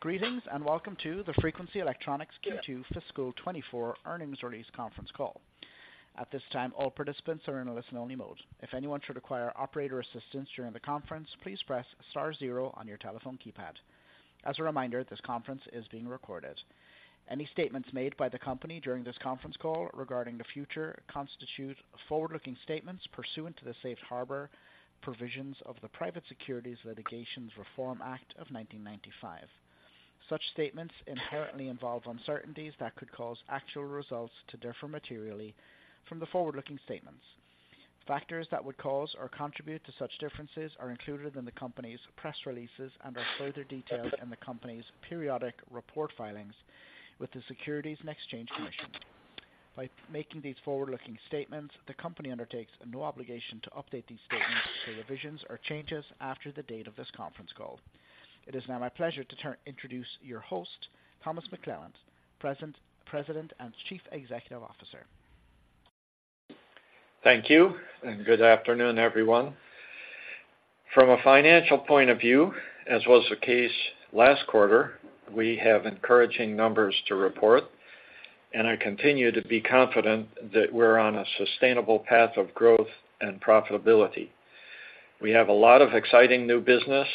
Greetings, and welcome to the Frequency Electronics Q2 Fiscal 2024 Earnings Release Conference Call. At this time, all participants are in a listen-only mode. If anyone should require operator assistance during the conference, please press star zero on your telephone keypad. As a reminder, this conference is being recorded. Any statements made by the company during this conference call regarding the future constitute forward-looking statements pursuant to the safe harbor provisions of the Private Securities Litigation Reform Act of 1995. Such statements inherently involve uncertainties that could cause actual results to differ materially from the forward-looking statements. Factors that would cause or contribute to such differences are included in the company's press releases and are further detailed in the company's periodic report filings with the Securities and Exchange Commission. By making these forward-looking statements, the company undertakes no obligation to update these statements to revisions or changes after the date of this conference call. It is now my pleasure to introduce your host, Thomas McClelland, President and Chief Executive Officer. Thank you, and good afternoon, everyone. From a financial point of view, as was the case last quarter, we have encouraging numbers to report, and I continue to be confident that we're on a sustainable path of growth and profitability. We have a lot of exciting new business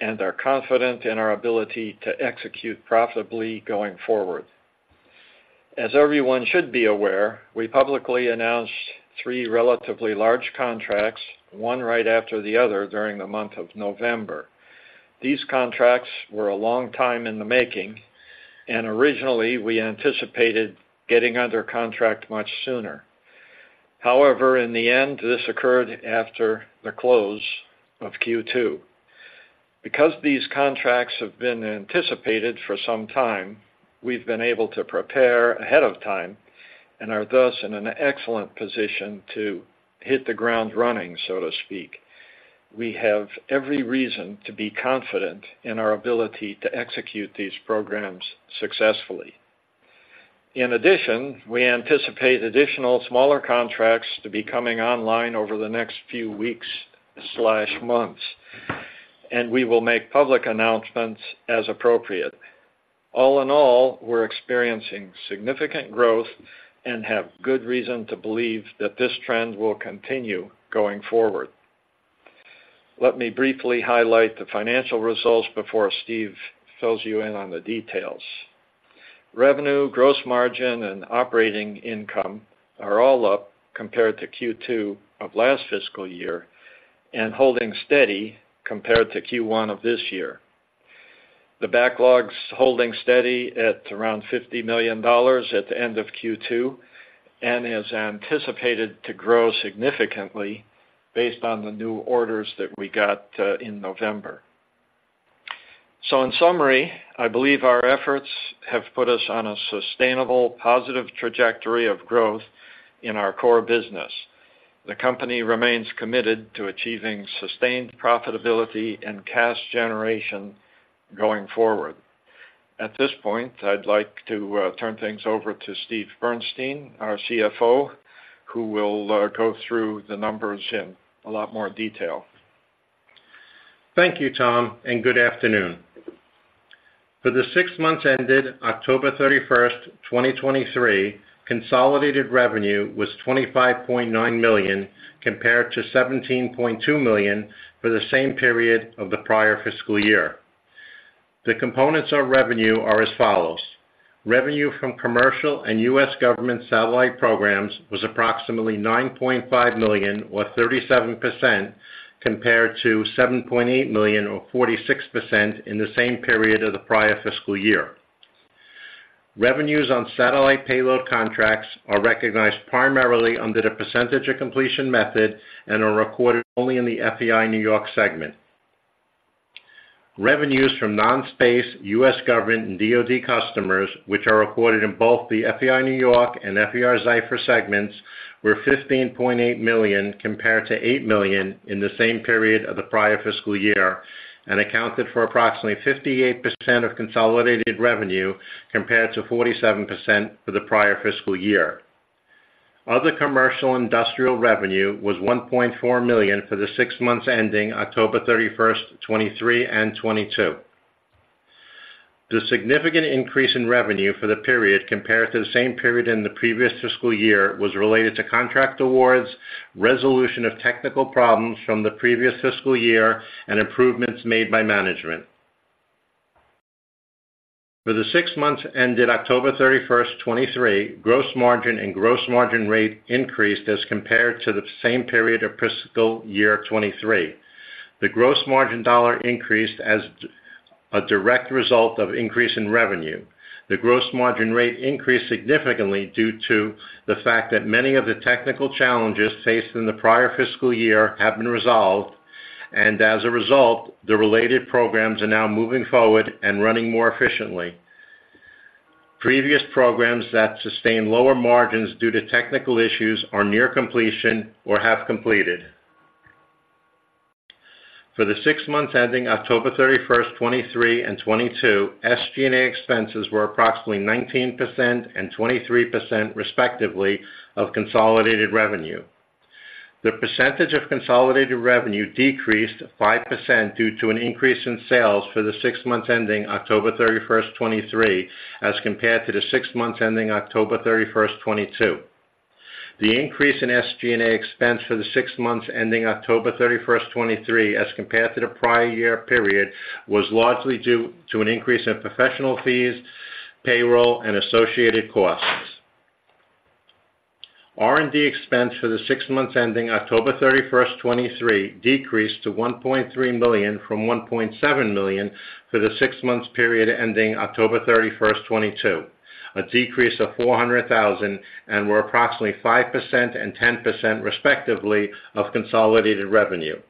and are confident in our ability to execute profitably going forward. As everyone should be aware, we publicly announced three relatively large contracts, one right after the other, during the month of November. These contracts were a long time in the making, and originally, we anticipated getting under contract much sooner. However, in the end, this occurred after the close of Q2. Because these contracts have been anticipated for some time, we've been able to prepare ahead of time and are thus in an excellent position to hit the ground running, so to speak. We have every reason to be confident in our ability to execute these programs successfully. In addition, we anticipate additional smaller contracts to be coming online over the next few weeks/months, and we will make public announcements as appropriate. All in all, we're experiencing significant growth and have good reason to believe that this trend will continue going forward. Let me briefly highlight the financial results before Steve fills you in on the details. Revenue, gross margin, and operating income are all up compared to Q2 of last fiscal year and holding steady compared to Q1 of this year. The backlog's holding steady at around $50 million at the end of Q2 and is anticipated to grow significantly based on the new orders that we got in November. So in summary, I believe our efforts have put us on a sustainable, positive trajectory of growth in our core business. The company remains committed to achieving sustained profitability and cash generation going forward. At this point, I'd like to turn things over to Steve Bernstein, our CFO, who will go through the numbers in a lot more detail. Thank you, Tom, and good afternoon. For the six months ended October 31st, 2023, consolidated revenue was $25.9 million, compared to $17.2 million for the same period of the prior fiscal year. The components of revenue are as follows: Revenue from commercial and U.S. government satellite programs was approximately $9.5 million, or 37%, compared to $7.8 million, or 46%, in the same period of the prior fiscal year. Revenues on satellite payload contracts are recognized primarily under the Percentage-of-Completion Method and are recorded only in the FEI New York segment. Revenues from non-space, U.S. Government, and DoD customers, which are recorded in both the FEI New York and FEI-Zyfer segments, were $15.8 million, compared to $8 million in the same period of the prior fiscal year, and accounted for approximately 58% of consolidated revenue, compared to 47% for the prior fiscal year. Other commercial industrial revenue was $1.4 million for the six months ending October 31st, 2023 and 2022. The significant increase in revenue for the period compared to the same period in the previous fiscal year was related to contract awards, resolution of technical problems from the previous fiscal year, and improvements made by management. For the six months ended October 31st, 2023, gross margin and gross margin rate increased as compared to the same period of fiscal year 2023. The gross margin dollar increased as a direct result of increase in revenue. The gross margin rate increased significantly due to the fact that many of the technical challenges faced in the prior fiscal year have been resolved, and as a result, the related programs are now moving forward and running more efficiently. Previous programs that sustained lower margins due to technical issues are near completion or have completed. For the six months ending October 31st, 2023 and 2022, SG&A expenses were approximately 19% and 23%, respectively, of consolidated revenue. The percentage of consolidated revenue decreased 5% due to an increase in sales for the six months ending October 31st, 2023, as compared to the six months ending October 31st, 2022. The increase in SG&A expense for the six months ending October 31st, 2023, as compared to the prior year period, was largely due to an increase in professional fees, payroll, and associated costs. R&D expense for the six months ending October 31st, 2023, decreased to $1.3 million from $1.7 million for the six months period ending October 31st, 2022, a decrease of $400,000, and were approximately 5% and 10%, respectively, of consolidated revenue.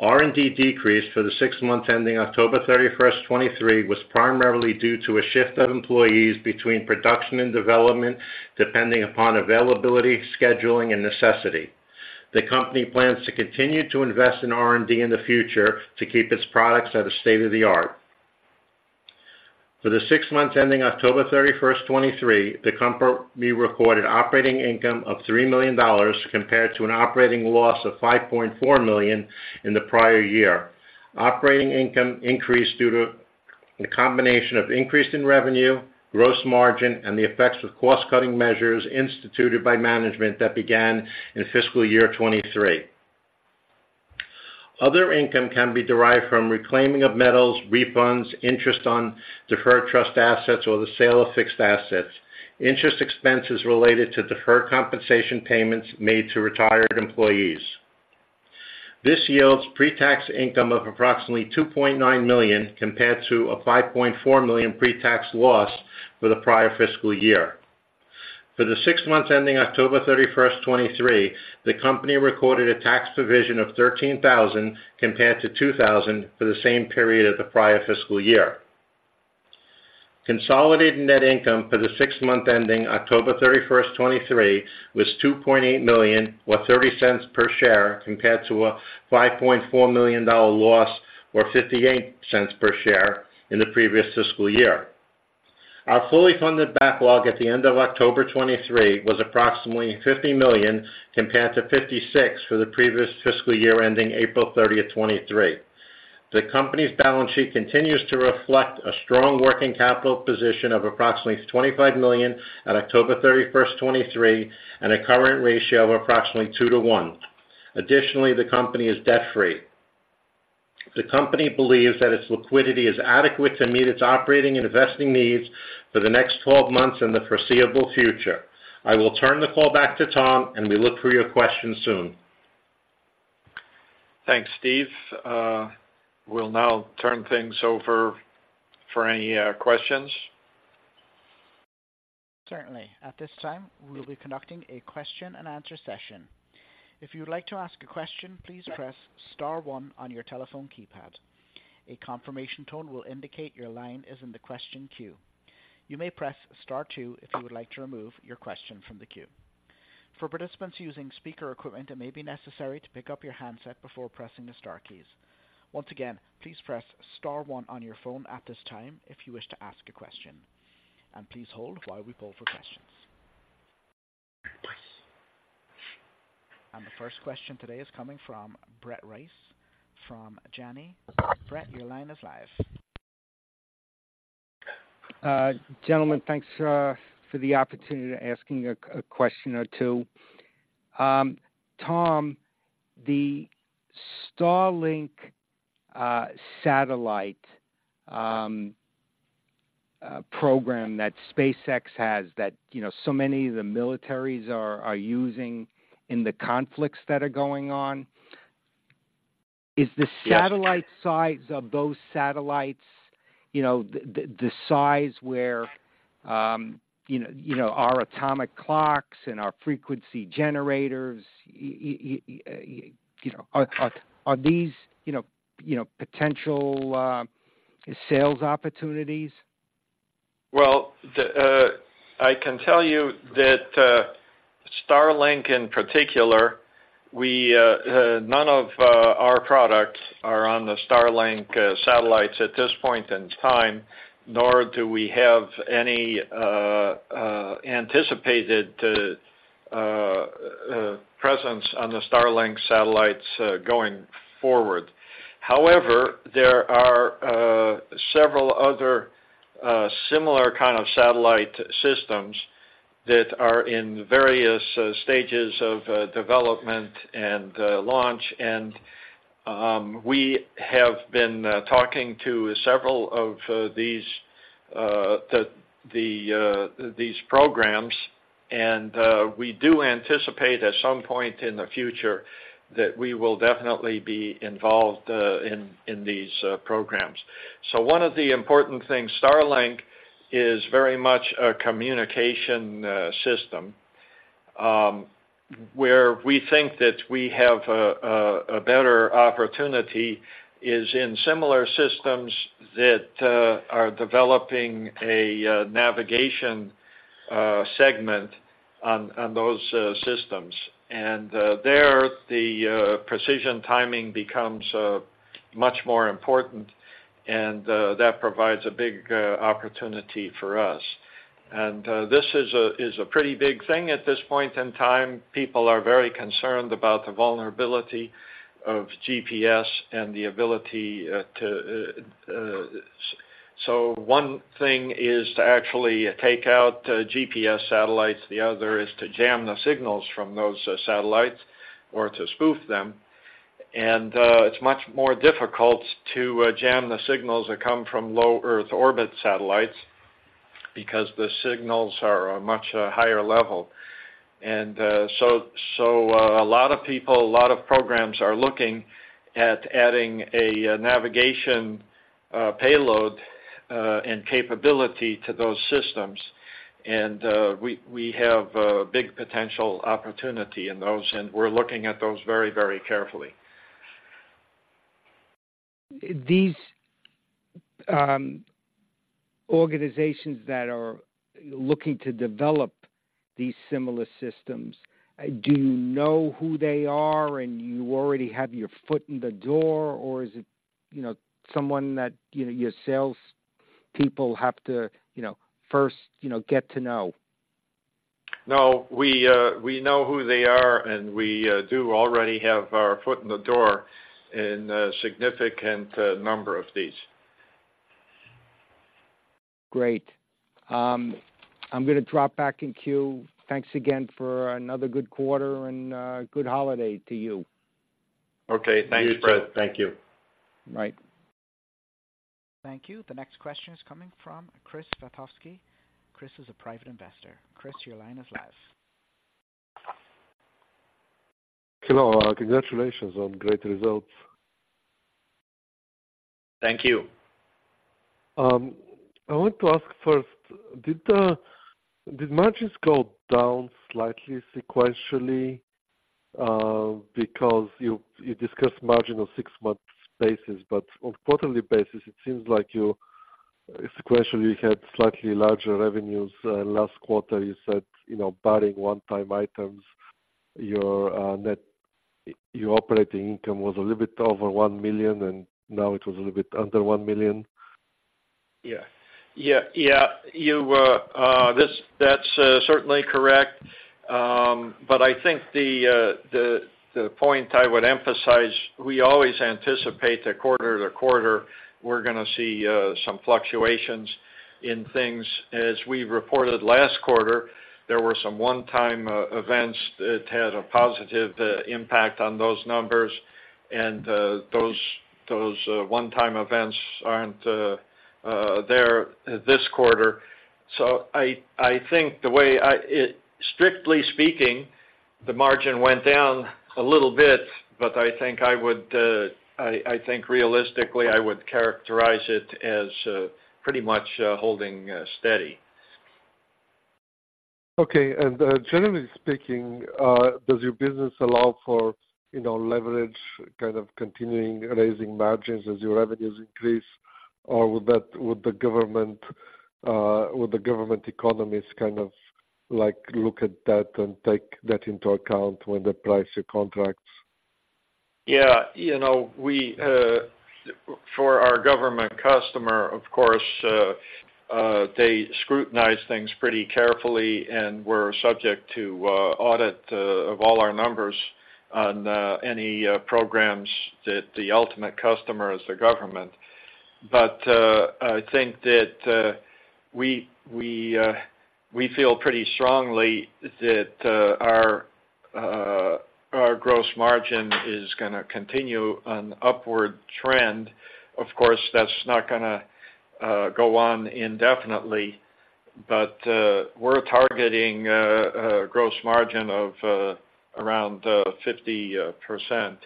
R&D decreased for the six months ending October 31st, 2023, was primarily due to a shift of employees between production and development, depending upon availability, scheduling, and necessity. The company plans to continue to invest in R&D in the future to keep its products at a state of the art. For the six months ending October 31st, 2023, the company recorded operating income of $3 million compared to an operating loss of $5.4 million in the prior year. Operating income increased due to the combination of increase in revenue, gross margin, and the effects of cost-cutting measures instituted by management that began in fiscal year 2023. Other income can be derived from reclaiming of metals, refunds, interest on deferred trust assets, or the sale of fixed assets, interest expenses related to deferred compensation payments made to retired employees. This yields pretax income of approximately $2.9 million, compared to a $5.4 million pretax loss for the prior fiscal year. For the six months ending October 31st, 2023, the company recorded a tax provision of $13,000 compared to $2,000 for the same period of the prior fiscal year. Consolidated net income for the six-month period ending October 31st, 2023, was $2.8 million, or $0.30 per share, compared to a $5.4 million loss, or $0.58 per share, in the previous fiscal year. Our fully funded backlog at the end of October 2023 was approximately $50 million, compared to $56 million for the previous fiscal year ending April 30th, 2023. The company's balance sheet continues to reflect a strong working capital position of approximately $25 million at October 31st, 2023, and a current ratio of approximately 2-to-1. Additionally, the company is debt-free. The company believes that its liquidity is adequate to meet its operating and investing needs for the next 12 months and the foreseeable future. I will turn the call back to Tom, and we look for your questions soon. Thanks, Steve. We'll now turn things over for any questions. Certainly. At this time, we will be conducting a question and answer session. If you would like to ask a question, please press star one on your telephone keypad. A confirmation tone will indicate your line is in the question queue. You may press star two if you would like to remove your question from the queue. For participants using speaker equipment, it may be necessary to pick up your handset before pressing the star keys. Once again, please press star one on your phone at this time if you wish to ask a question, and please hold while we pull for questions. And the first question today is coming from Brett Reiss, from Janney. Brett, your line is live. Gentlemen, thanks for the opportunity to asking a question or two. Tom, the Starlink satellite program that SpaceX has, that, you know, so many of the militaries are using in the conflicts that are going on, is the satellite size of those satellites, you know, the size where, you know, you know, our atomic clocks and our frequency generators, you know, are these, you know, you know, potential sales opportunities? Well, I can tell you that Starlink, in particular, we none of our products are on the Starlink satellites at this point in time, nor do we have any anticipated presence on the Starlink satellites going forward. However, there are several other similar kind of satellite systems that are in various stages of development and launch, and we have been talking to several of these programs, and we do anticipate at some point in the future, that we will definitely be involved in these programs. So one of the important things, Starlink is very much a communication system. Where we think that we have a better opportunity is in similar systems that are developing a navigation segment on those systems. And there, the precision timing becomes much more important, and that provides a big opportunity for us. And this is a pretty big thing at this point in time. People are very concerned about the vulnerability of GPS and the ability to. So one thing is to actually take out the GPS satellites, the other is to jam the signals from those satellites or to spoof them. And it's much more difficult to jam the signals that come from low-Earth orbit satellites, because the signals are a much higher level. So, a lot of people, a lot of programs are looking at adding a navigation payload and capability to those systems. And, we have a big potential opportunity in those, and we're looking at those very, very carefully. These organizations that are looking to develop these similar systems, do you know who they are, and you already have your foot in the door, or is it, you know, someone that, you know, your sales people have to, you know, first, you know, get to know? No, we, we know who they are, and we do already have our foot in the door in a significant number of these. Great. I'm going to drop back in queue. Thanks again for another good quarter, and good holiday to you. Okay. Thank you, Brett. Thank you. Bye. Thank you. The next question is coming from [Chris Witowski]. Chris is a private investor. Chris, your line is live. Hello, congratulations on great results. Thank you. I want to ask first, did margins go down slightly sequentially? Because you discussed margin on six months basis, but on quarterly basis, it seems like sequentially, you had slightly larger revenues. Last quarter, you said, you know, barring one-time items, your operating income was a little bit over $1 million, and now it was a little bit under $1 million. Yeah. Yeah, yeah. You, that's certainly correct. But I think the point I would emphasize, we always anticipate that quarter to quarter, we're going to see some fluctuations in things. As we reported last quarter, there were some one-time events that had a positive impact on those numbers, and those one-time events aren't there this quarter. So I think strictly speaking, the margin went down a little bit, but I think realistically, I would characterize it as pretty much holding steady. Okay. And, generally speaking, does your business allow for, you know, leverage, kind of continuing raising margins as your revenues increase, or would that, would the government economies kind of like, look at that and take that into account when they price your contracts? Yeah, you know, we for our government customer, of course, they scrutinize things pretty carefully, and we're subject to audit of all our numbers on any programs that the ultimate customer is the government. But I think that we feel pretty strongly that our gross margin is going to continue an upward trend. Of course, that's not going to go on indefinitely, but we're targeting a gross margin of around 50%,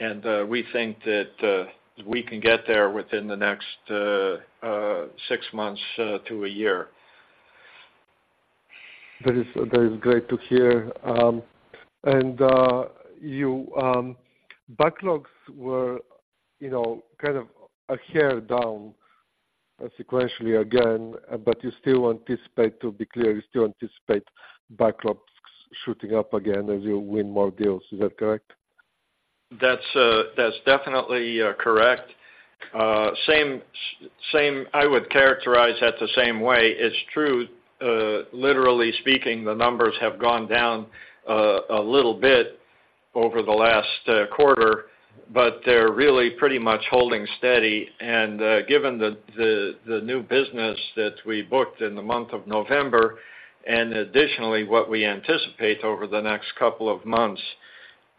and we think that we can get there within the next six months to a year. That is, that is great to hear. And, your backlogs were, you know, kind of a hair down sequentially again, but you still anticipate, to be clear, you still anticipate backlogs shooting up again as you win more deals. Is that correct? That's definitely correct. Same, I would characterize that the same way. It's true, literally speaking, the numbers have gone down a little bit over the last quarter, but they're really pretty much holding steady. And, given the new business that we booked in the month of November, and additionally, what we anticipate over the next couple of months,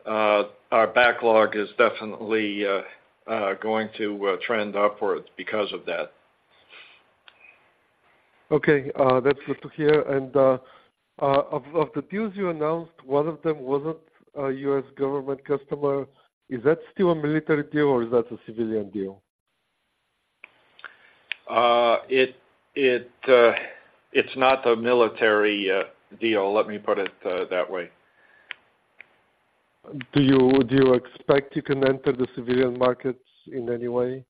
our backlog is definitely going to trend upwards because of that. Okay, that's good to hear. And, of the deals you announced, one of them wasn't a U.S. government customer. Is that still a military deal, or is that a civilian deal? It's not a military deal. Let me put it that way. Do you expect you can enter the civilian markets in any way?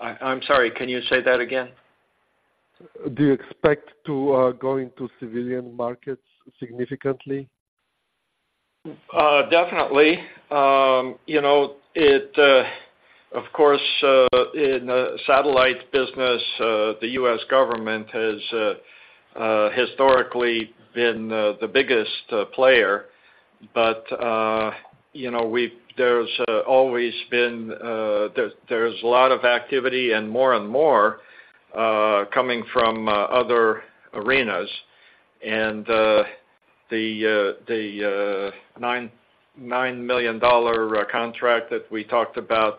I'm sorry, can you say that again? Do you expect to go into civilian markets significantly? Definitely. You know, of course in the satellite business, the U.S. government has historically been the biggest player. But you know, we've always been there. There's a lot of activity and more and more coming from other arenas. And the $9 million contract that we talked about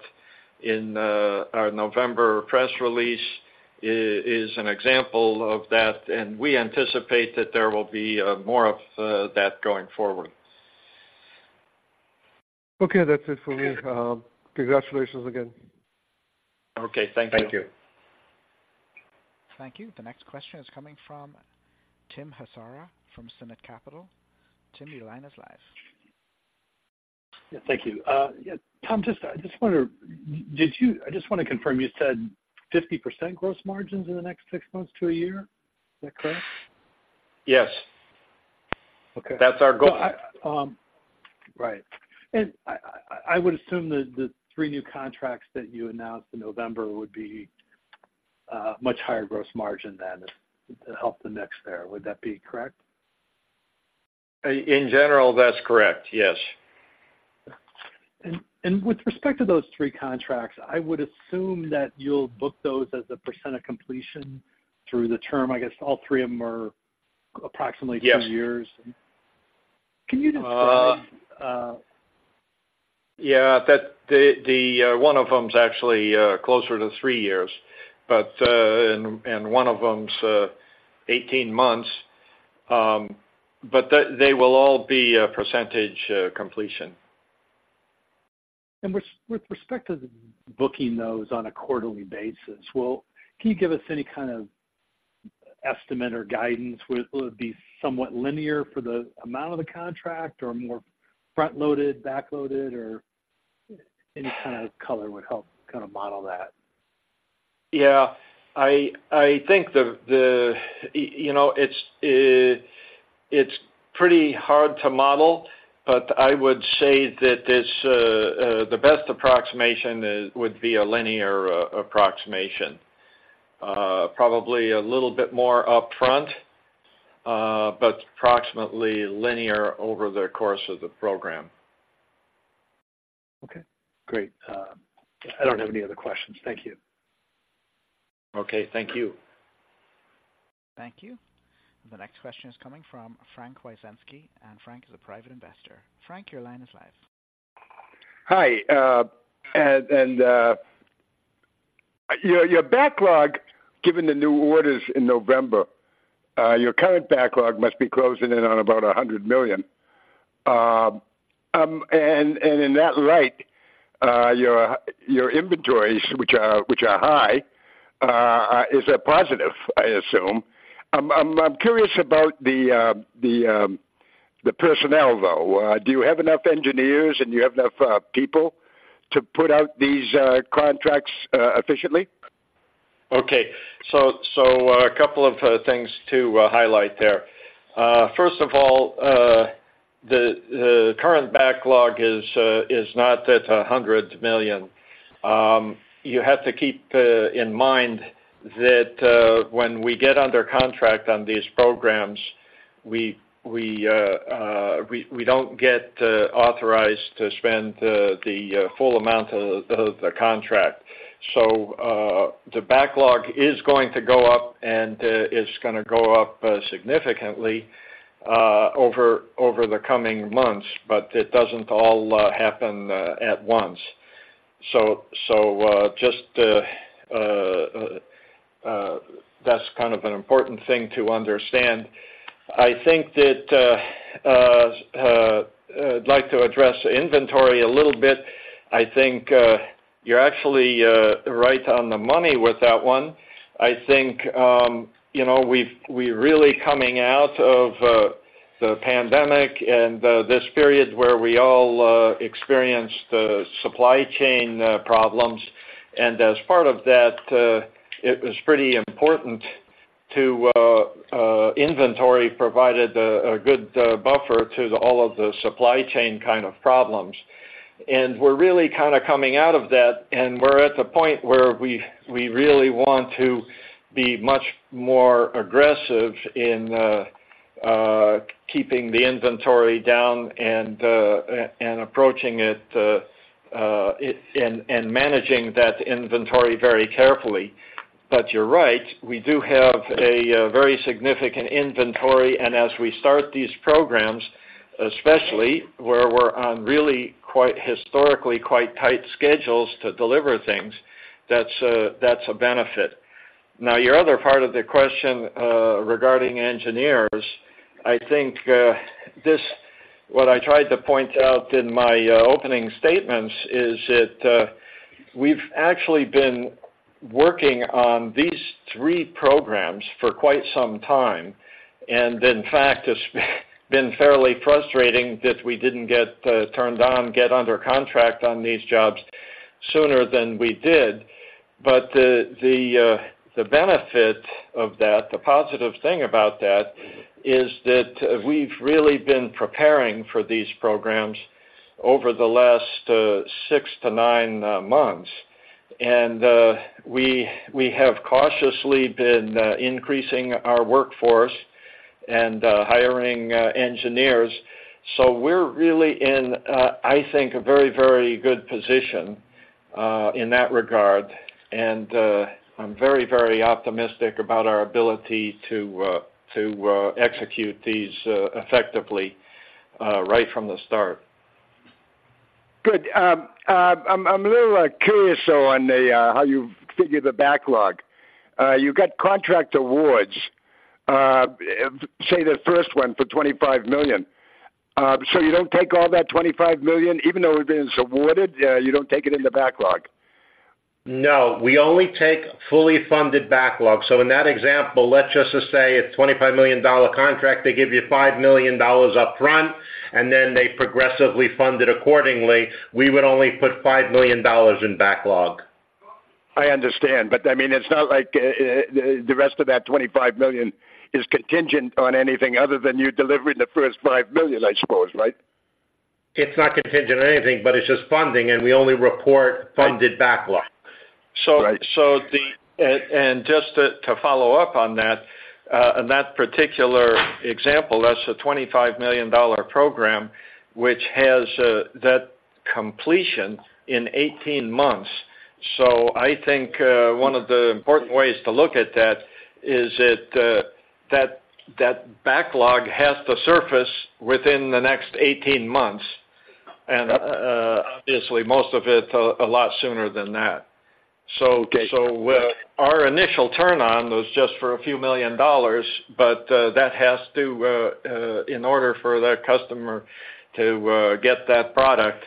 in our November press release is an example of that, and we anticipate that there will be more of that going forward. Okay. That's it for me. Okay. Congratulations again. Okay. Thank you. Thank you. Thank you. The next question is coming from Tim Hasara from Sinnet Capital. Tim, your line is live. Yeah, thank you. Yeah, Tom, just, I just wonder, I just wanna confirm, you said 50% gross margins in the next six months to a year? Is that correct? Yes. Okay. That's our goal. I, right. I would assume that the three new contracts that you announced in November would be much higher gross margin than to help the mix there. Would that be correct? In general, that's correct, yes. With respect to those three contracts, I would assume that you'll book those as a percentage-of-completion through the term. I guess all three of them are approximately two years. Yeah, that one of them is actually closer to three years, but, and one of them is 18 months. But they will all be a percentage completion. With respect to the booking those on a quarterly basis, well, can you give us any kind of estimate or guidance? Will it be somewhat linear for the amount of the contract or more front-loaded, back-loaded, or any kind of color would help kind of model that? Yeah. I think, you know, it's pretty hard to model, but I would say that this, the best approximation would be a linear approximation. Probably a little bit more upfront, but approximately linear over the course of the program. Okay, great. I don't have any other questions. Thank you. Okay, thank you. Thank you. The next question is coming from [Frank Wyszynski], and Frank is a private investor. Frank, your line is live. Hi, and your backlog, given the new orders in November, your current backlog must be closing in on about $100 million. And in that light, your inventories, which are high, is a positive, I assume. I'm curious about the personnel, though. Do you have enough engineers, and do you have enough people to put out these contracts efficiently? Okay. So, a couple of things to highlight there. First of all, the current backlog is not at $100 million. You have to keep in mind that when we get under contract on these programs, we don't get authorized to spend the full amount of the contract. So, the backlog is going to go up, and it's going to go up significantly over the coming months, but it doesn't all happen at once. So, that's kind of an important thing to understand. I think that I'd like to address inventory a little bit. I think you're actually right on the money with that one. I think, you know, we've we're really coming out of the pandemic and this period where we all experienced supply chain problems. And as part of that, it was pretty important to inventory provided a good buffer to all of the supply chain kind of problems. And we're really kind of coming out of that, and we're at the point where we've we really want to be much more aggressive in keeping the inventory down and and approaching it and managing that inventory very carefully. But you're right, we do have a very significant inventory, and as we start these programs, especially where we're on really quite historically, quite tight schedules to deliver things, that's a that's a benefit. Now, your other part of the question, regarding engineers, I think, this, what I tried to point out in my opening statements is that, we've actually been working on these three programs for quite some time. And in fact, it's been fairly frustrating that we didn't get, turned on, get under contract on these jobs sooner than we did. But the benefit of that, the positive thing about that, is that we've really been preparing for these programs over the last, six-nine months. And, we have cautiously been, increasing our workforce and, hiring, engineers. So we're really in, I think, a very, very good position, in that regard, and, I'm very, very optimistic about our ability to, to, execute these, effectively, right from the start. Good. I'm a little curious, though, on the how you figure the backlog. You've got contract awards, say, the first one for $25 million. So you don't take all that $25 million, even though it has been awarded, you don't take it in the backlog? No, we only take fully funded backlog. So in that example, let's just say a $25 million contract, they give you $5 million upfront, and then they progressively fund it accordingly, we would only put $5 million in backlog. I understand, but, I mean, it's not like, the rest of that $25 million is contingent on anything other than you delivering the first $5 million, I suppose, right? It's not contingent on anything, but it's just funding, and we only report funded backlog. Right. And just to follow up on that, in that particular example, that's a $25 million program, which has that completion in 18 months. So I think, one of the important ways to look at that, is that, that backlog has to surface within the next 18 months. Yep. Obviously, most of it a lot sooner than that. Okay. So our initial turn on was just for $a few million, but that has to, in order for that customer to get that product,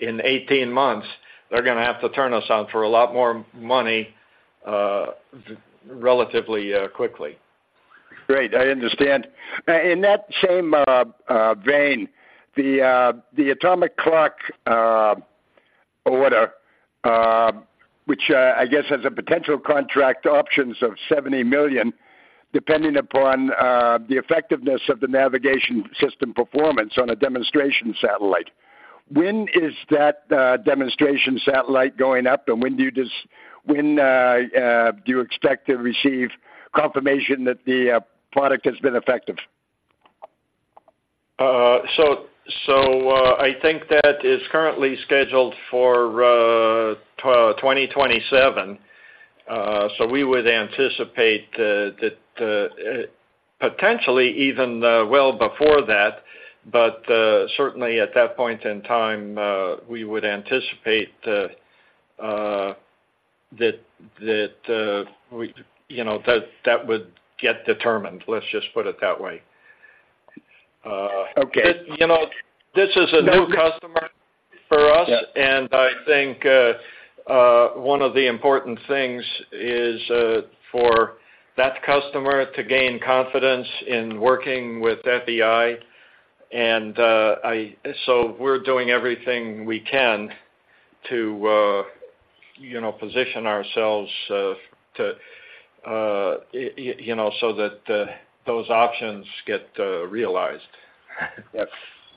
in 18 months, they're going to have to turn us on for a lot more money, relatively, quickly. Great, I understand. In that same vein, the atomic clock order, which I guess has a potential contract options of $70 million, depending upon the effectiveness of the navigation system performance on a demonstration satellite. When is that demonstration satellite going up? And when do you expect to receive confirmation that the product has been effective? I think that is currently scheduled for 2027. So we would anticipate that potentially even well before that, but certainly at that point in time, we would anticipate that we, you know, that would get determined. Let's just put it that way. Okay. You know, this is a new customer for us? Yeah. And I think one of the important things is for that customer to gain confidence in working with FEI. And so we're doing everything we can to you know position ourselves to you know so that those options get realized. Yes.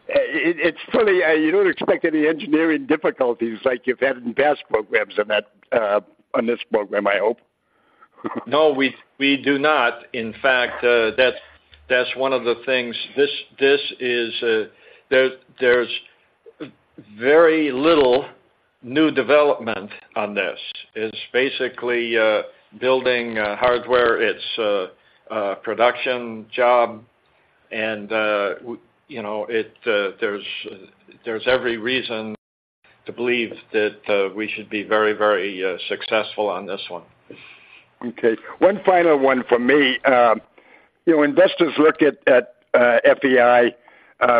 It, it's funny, you don't expect any engineering difficulties like you've had in past programs on that, on this program, I hope? No, we, we do not. In fact, that, that's one of the things, this, this is, there, there's very little new development on this. It's basically, building, hardware. It's a, a production job, and, you know, it, there's, there's every reason to believe that, we should be very, very, successful on this one. Okay. One final one from me. You know, investors look at FEI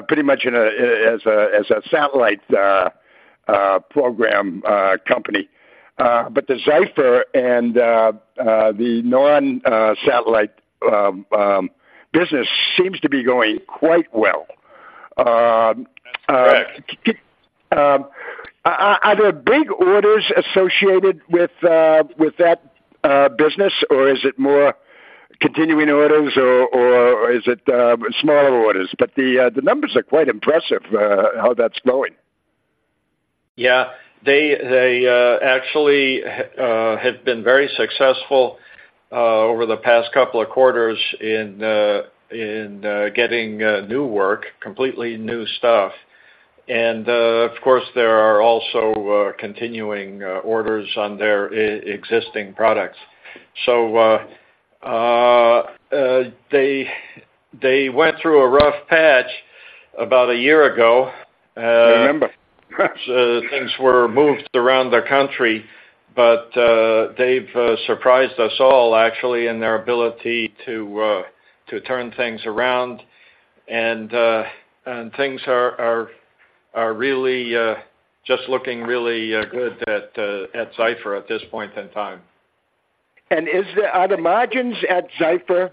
pretty much as a satellite program company, but the Zyfer and the non-satellite business seems to be going quite well. Correct. Are there big orders associated with that business, or is it more continuing orders, or is it smaller orders? But the numbers are quite impressive, how that's going. Yeah. They actually have been very successful over the past couple of quarters in getting new work, completely new stuff. Of course, there are also continuing orders on their existing products. They went through a rough patch about a year ago. I remember. Things were moved around the country, but they've surprised us all, actually, in their ability to turn things around and things are really just looking really good at Zyfer at this point in time. And are the margins at Zyfer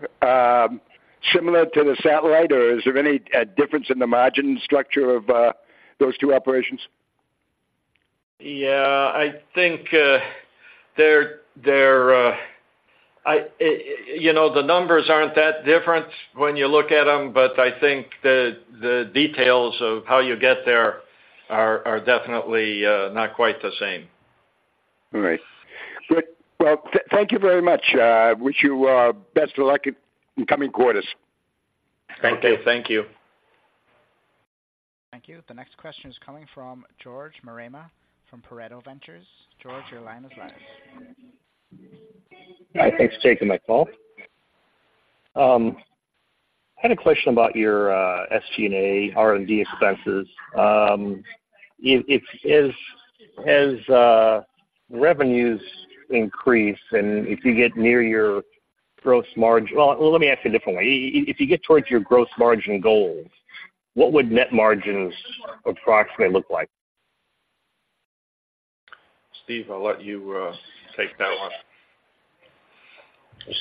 similar to the satellite, or is there any difference in the margin structure of those two operations? Yeah, I think they're, you know, the numbers aren't that different when you look at them, but I think the details of how you get there are definitely not quite the same. All right. Good. Well, thank you very much. Wish you best of luck in coming quarters. Thank you. Thank you. Thank you. The next question is coming from George Marema from Pareto Ventures. George, your line is live. Hi, thanks for taking my call. I had a question about your SG&A R&D expenses. If, as revenues increase, and if you get near your gross margin. Well, let me ask you a different way. If you get towards your gross margin goals, what would net margins approximately look like? Steve, I'll let you take that one.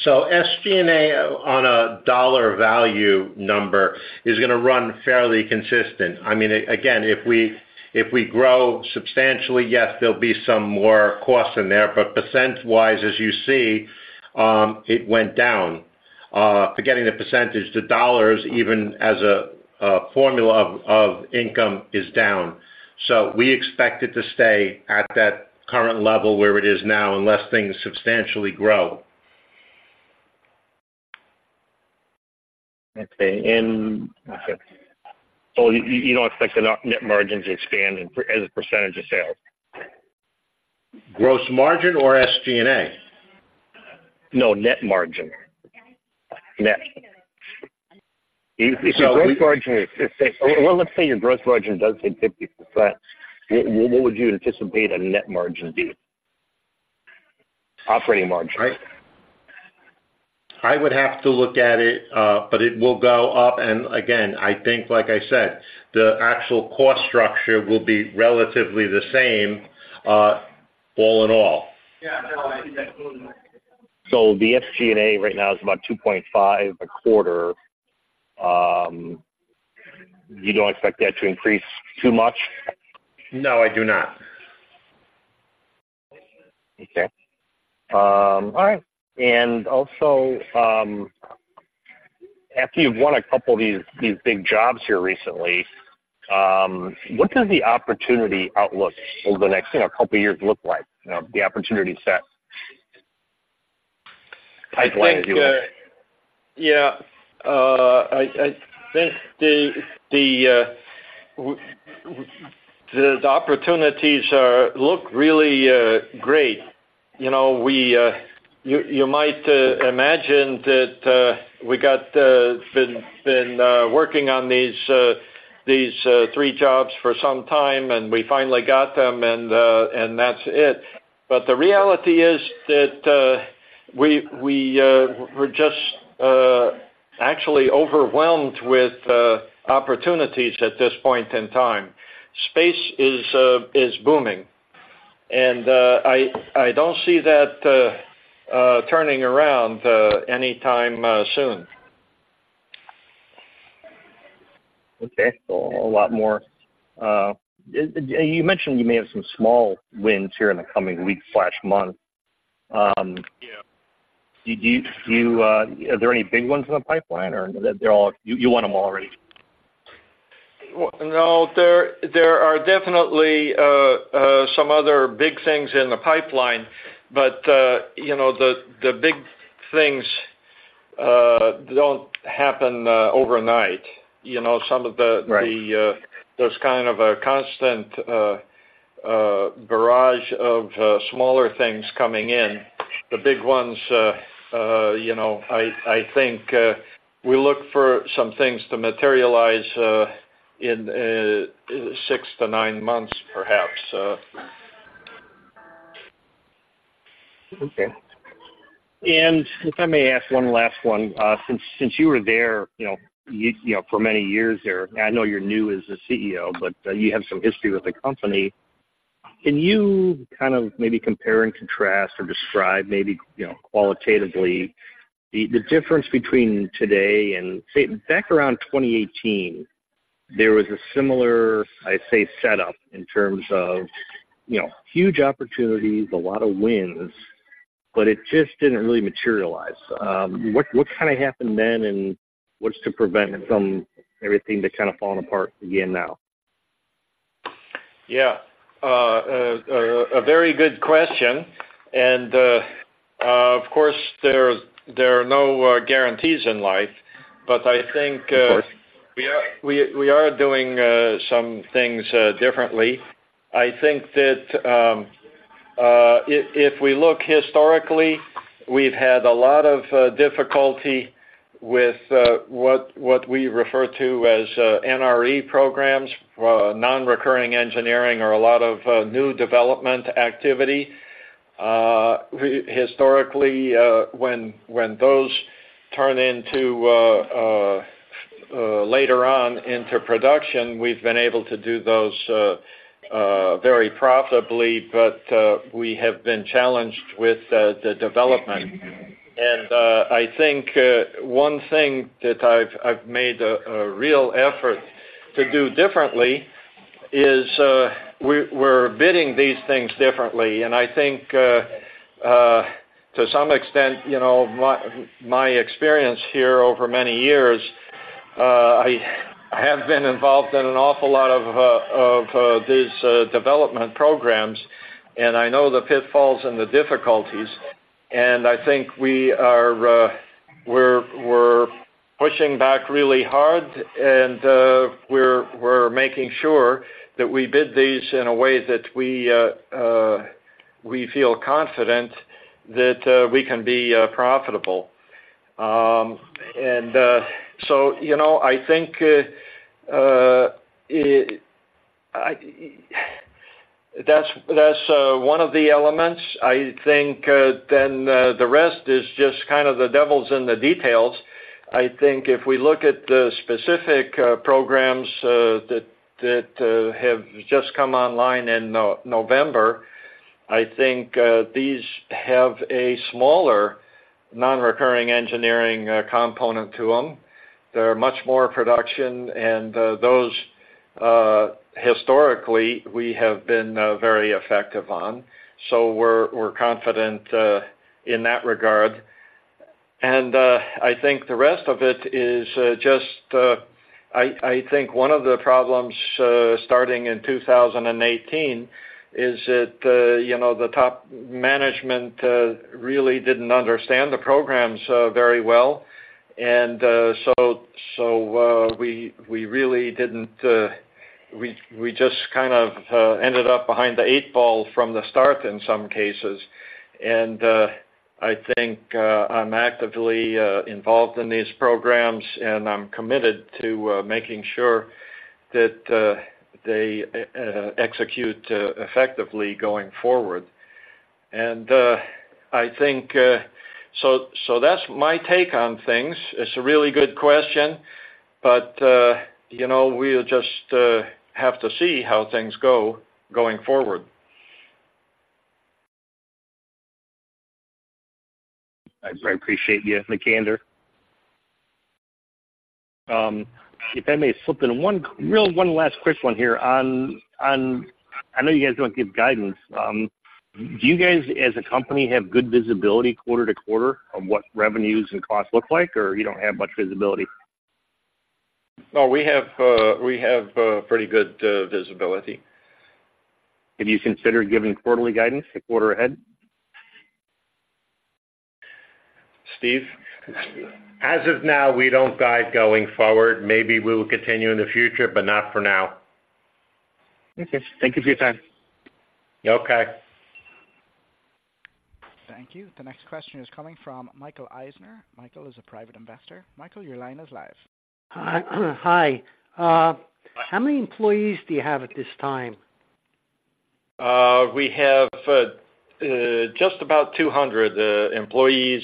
So SG&A on a dollar value number is going to run fairly consistent. I mean, again, if we, if we grow substantially, yes, there'll be some more costs in there, but percent-wise, as you see, it went down. Forgetting the percentage, the dollars, even as a formula of income is down. So we expect it to stay at that current level where it is now, unless things substantially grow. Okay. So you don't expect the net margins to expand, as a percentage of sales? Gross margin or SG&A? No, net margin. Net. Gross margin. Well, let's say your gross margin does hit 50%, what would you anticipate a net margin be? Operating margin. I would have to look at it, but it will go up, and again, I think, like I said, the actual cost structure will be relatively the same, all in all. The SG&A right now is about $2.5 a quarter. You don't expect that to increase too much? No, I do not. Okay. All right. Also, after you've won a couple of these, these big jobs here recently, what does the opportunity outlook over the next, you know, couple of years look like? You know, the opportunity set? Pipeline, if you will. I think, yeah. I think the opportunities look really great. You know, you might imagine that we've been working on these three jobs for some time, and we finally got them, and that's it. But the reality is that we're just actually overwhelmed with opportunities at this point in time. Space is booming, and I don't see that turning around anytime soon. Okay. So a lot more. You mentioned you may have some small wins here in the coming weeks/month. Yeah. Do you, do you, are there any big ones in the pipeline, or they're all you won them all already? Well, no, there, there are definitely some other big things in the pipeline, but, you know, the, the big things don't happen overnight. There's kind of a constant barrage of smaller things coming in. The big ones, you know, I think we look for some things to materialize in six-nine months, perhaps. Okay. And if I may ask one last one, since you were there, you know, you know, for many years there, I know you're new as a CEO, but you have some history with the company. Can you kind of maybe compare and contrast or describe maybe, you know, qualitatively, the difference between today and, say, back around 2018, there was a similar, I'd say, setup in terms of, you know, huge opportunities, a lot of wins, but it just didn't really materialize. What kind of happened then, and what's to prevent it from everything to kind of falling apart again now? Yeah. A very good question, and of course there are no guarantees in life. Of course We are doing some things differently. I think that if we look historically, we've had a lot of difficulty with what we refer to as NRE programs, Non-Recurring Engineering, or a lot of new development activity. Historically, when those turn into later on into production, we've been able to do those very profitably, but we have been challenged with the development. And I think one thing that I've made a real effort to do differently is we're bidding these things differently. I think, to some extent, you know, my experience here over many years, I have been involved in an awful lot of these development programs, and I know the pitfalls and the difficulties, and I think we are, we're pushing back really hard, and we're making sure that we bid these in a way that we feel confident that we can be profitable. And so, you know, I think, that's one of the elements. I think then the rest is just kind of the devil's in the details. I think if we look at the specific programs that have just come online in November, I think these have a smaller non-recurring engineering component to them. They're much more production, and those historically we have been very effective on, so we're, we're confident in that regard. And I think the rest of it is just I, I think one of the problems starting in 2018 is that you know the top management really didn't understand the programs very well. And so, so we, we really didn't we, we just kind of ended up behind the eight ball from the start in some cases. And I think I'm actively involved in these programs, and I'm committed to making sure that they execute effectively going forward. And I think so, so that's my take on things. It's a really good question, but, you know, we'll just have to see how things go going forward. I appreciate your candor. If I may slip in one real, one last quick one here. And I know you guys don't give guidance. Do you guys, as a company, have good visibility quarter to quarter on what revenues and costs look like, or you don't have much visibility? Oh, we have pretty good visibility. Have you considered giving quarterly guidance a quarter ahead? Steve? As of now, we don't guide going forward. Maybe we will continue in the future, but not for now. Okay. Thank you for your time. Okay. Thank you. The next question is coming from Michael Eisner. Michael is a private investor. Michael, your line is live. Hi. How many employees do you have at this time? We have just about 200 employees,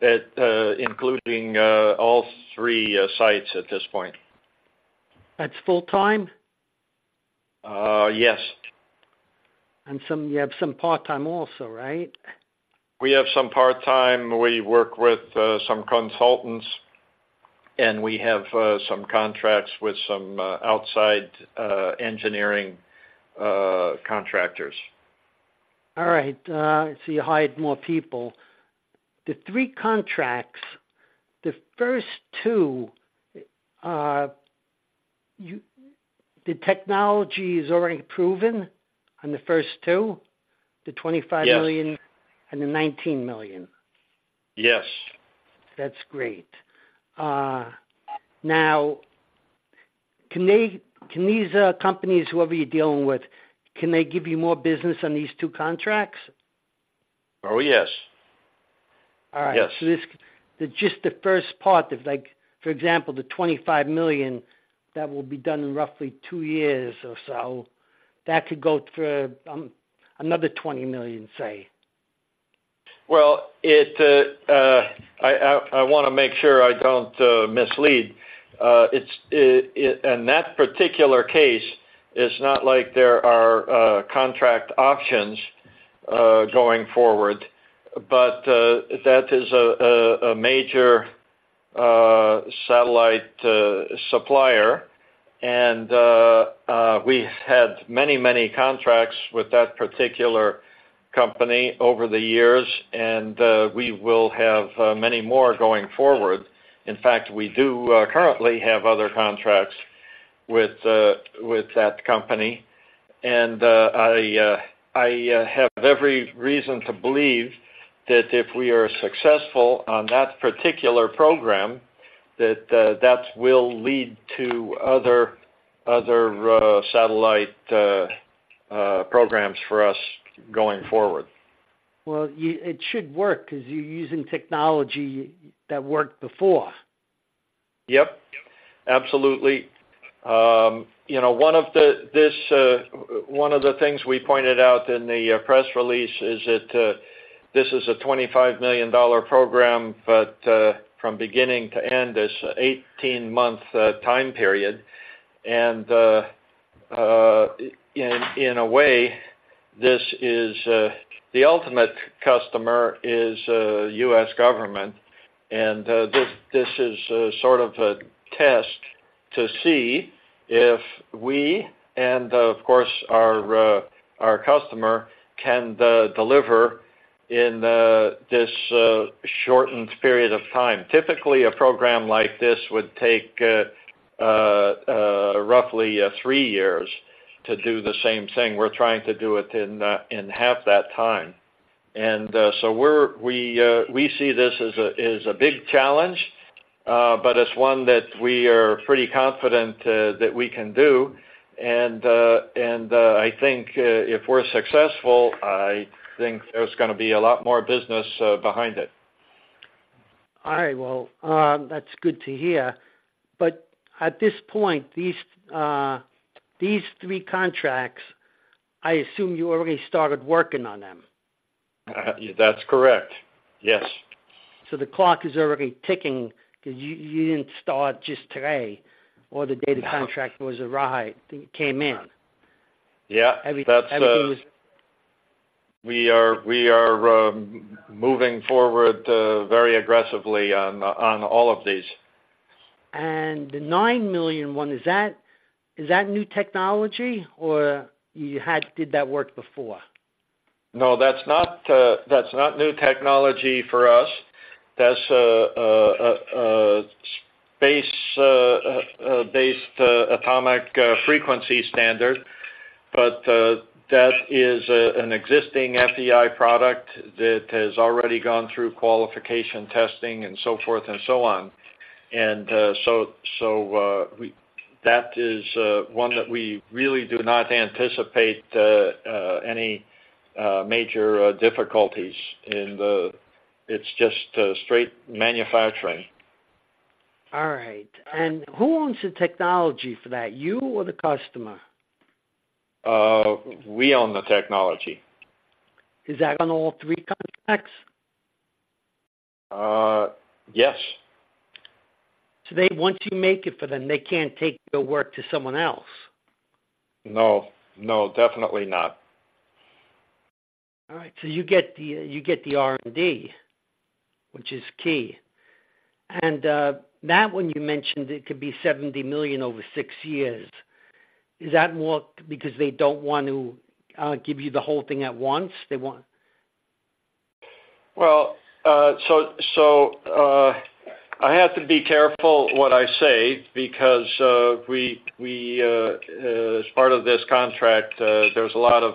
including all three sites at this point. That's full-time? Yes. You have some part-time also, right? We have some part-time. We work with some consultants, and we have some contracts with some outside engineering contractors. All right, so you hired more people. The three contracts, the first two, the technology is already proven on the first two? Yes. The $25 million and the $19 million. Yes. That's great. Now, can they, can these companies, whoever you're dealing with, can they give you more business on these two contracts? Oh, yes. All right. Yes. Just the first part of, like, for example, the $25 million, that will be done in roughly two years or so. That could go for another $20 million, say? Well, I wanna make sure I don't mislead. It's in that particular case, it's not like there are contract options going forward, but that is a major satellite supplier, and we've had many, many contracts with that particular company over the years, and we will have many more going forward. In fact, we do currently have other contracts with that company, and I have every reason to believe that if we are successful on that particular program, that will lead to other satellite programs for us going forward. Well, it should work because you're using technology that worked before. Yep, absolutely. You know, one of the things we pointed out in the press release is that this is a $25 million program, but from beginning to end, this 18-month time period. And in a way, this is the ultimate customer is U.S. government. And this is sort of a test to see if we, and, of course, our customer, can deliver in this shortened period of time. Typically, a program like this would take roughly three years to do the same thing. We're trying to do it in half that time. And so we see this as a big challenge, but it's one that we are pretty confident that we can do. I think if we're successful, I think there's going to be a lot more business behind it. All right, well, that's good to hear. But at this point, these three contracts, I assume you already started working on them? That's correct. Yes. So the clock is already ticking because you didn't start just today or the day the contract was awarded, it came in. Yeah. We are moving forward very aggressively on all of these. The $9.1 million, is that, is that new technology, or you had did that work before? No, that's not. That's not new technology for us. That's a space-based atomic frequency standard, but that is an existing FEI product that has already gone through qualification testing, and so forth, and so on. And, so, that is one that we really do not anticipate any major difficulties in the it's just straight manufacturing. All right. Who owns the technology for that, you or the customer? We own the technology. Is that on all three contracts? Yes. So they, once you make it for them, they can't take the work to someone else? No, no, definitely not. All right, so you get the R&D, which is key. And that one you mentioned, it could be $70 million over six years. Is that more because they don't want to give you the whole thing at once? They want- Well, so I have to be careful what I say because as part of this contract, there's a lot of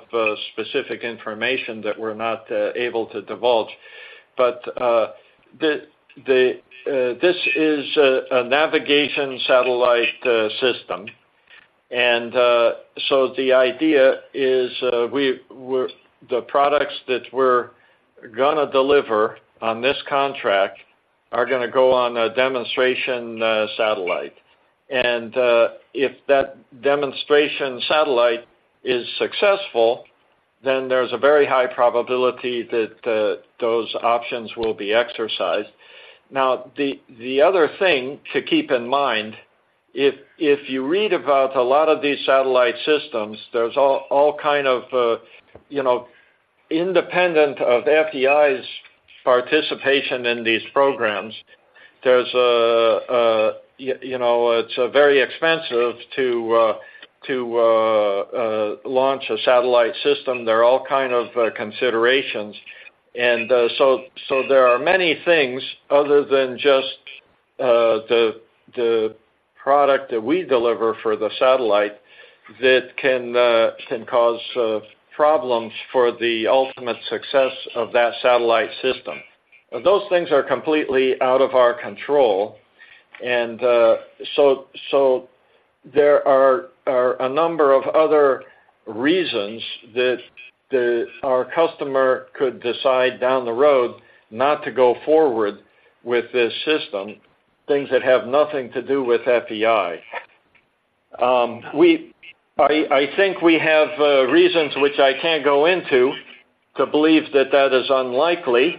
specific information that we're not able to divulge. But this is a navigation satellite system. And so the idea is, the products that we're going to deliver on this contract are going to go on a demonstration satellite. And if that demonstration satellite is successful, then there's a very high probability that those options will be exercised. Now, the other thing to keep in mind, if you read about a lot of these satellite systems, there's all kind of, you know, independent of FEI's participation in these programs, there's a, you know, it's very expensive to launch a satellite system. There are all kind of considerations. And, so there are many things other than just the product that we deliver for the satellite that can cause problems for the ultimate success of that satellite system. Those things are completely out of our control. And, so there are a number of other reasons that our customer could decide down the road not to go forward with this system, things that have nothing to do with FEI. I think we have reasons which I can't go into, to believe that that is unlikely,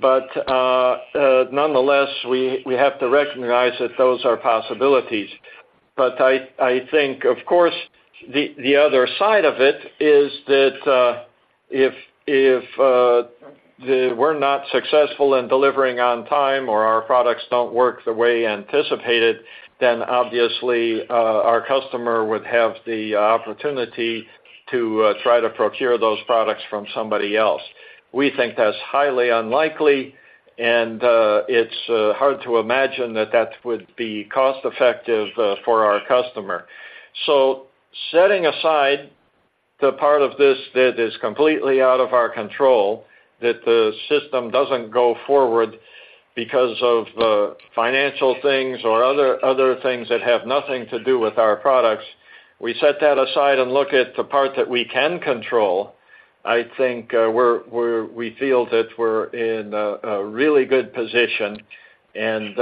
but nonetheless, we have to recognize that those are possibilities. But I think, of course, the other side of it is that if we're not successful in delivering on time, or our products don't work the way we anticipated, then obviously our customer would have the opportunity to try to procure those products from somebody else. We think that's highly unlikely, and it's hard to imagine that that would be cost-effective for our customer. So setting aside the part of this that is completely out of our control, that the system doesn't go forward because of the financial things or other, other things that have nothing to do with our products, we set that aside and look at the part that we can control. I think we feel that we're in a really good position, and